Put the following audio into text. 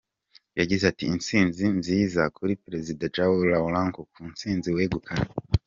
Yagize ati "Intsinzi nziza kuri Perezida João Lourenço ku ntsinzi wegukanye.